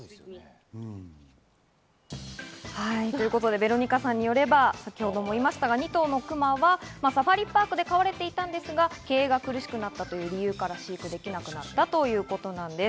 ベロニカさんによれば、２頭のクマはサファリパークで飼われていましたが、経営が苦しくなった理由から、飼育できなくなったということです。